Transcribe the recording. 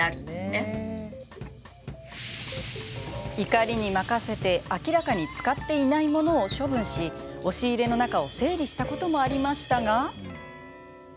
怒りに任せて、明らかに使っていない物を処分し押し入れの中を整理したこともありましたが。